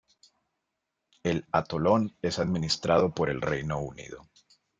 El atolón es administrado por el Reino Unido.